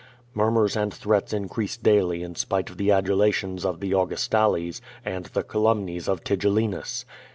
Murmurs and threats increased daily in spite of the adulations of the Augustalos, and the calumnies of Tigellinus.